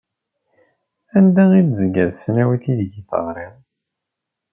Anda i d-tezga tesnawit ideg teɣriḍ?